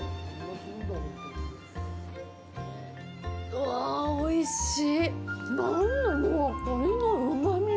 うわ、おいしい！